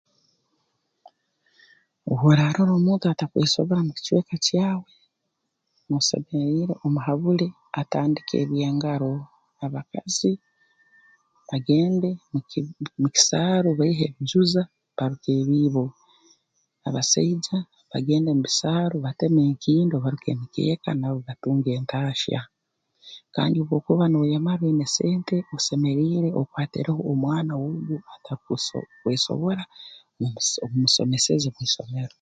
Obu oraarora omuntu atakwesobora mu kicweka kyawe noosemeriire omuhabule atandike eby'engaro abakazi bagende muki mu kisaaru baihe ebijuza baruke ebiibo abasaija bagende bisaaru bateme enkindo baruke emikeeka nabo batunge entahya kandi obu okuba nooyemara oine sente osemeriire okwatireho omwana w'ogu ataku atakwesobora omumusomeseze mu isomero